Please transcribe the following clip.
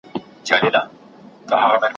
نه به واخلي تر قیامته عبرتونه `